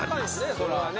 それはね